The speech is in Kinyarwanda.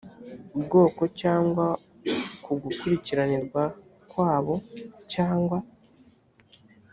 bwoko cyangwa ku gukiranirwa kwabwo cyangwa